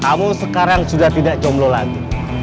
kamu sekarang sudah tidak jomblo lagi